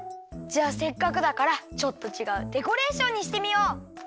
じゃあせっかくだからちょっとちがうデコレーションにしてみよう！